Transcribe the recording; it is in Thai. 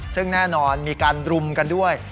ซึ่งแน่นอนมีการรุมกันด้วย